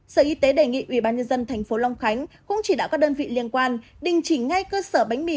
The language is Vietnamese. sở y tế đề nghị ubnd tp long khánh cũng chỉ đạo các đơn vị liên quan đình chỉ ngay cơ sở bánh mì